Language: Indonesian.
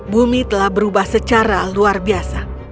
bumi telah berubah secara luar biasa